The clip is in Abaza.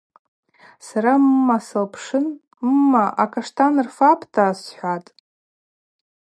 Сара мма сылпшын: Мма, а-Каштан рфапӏта, – схӏватӏ.